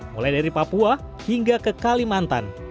mulai dari papua hingga ke kalimantan